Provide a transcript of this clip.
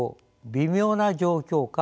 微妙な状況下